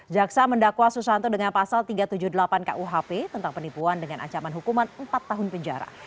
jaksa mendakwa susanto dengan pasal tiga ratus tujuh puluh delapan kuhp tentang penipuan dengan ancaman hukuman empat tahun penjara